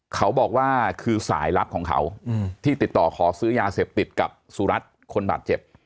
เขาบอกว่าคือสายลับของเขาที่ติดต่อขอซื้อยาเสพติดกับสุรัตน์คนบาดเจ็บ